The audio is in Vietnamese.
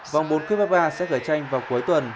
vòng bốn cup fa sẽ gửi tranh vào cuối tuần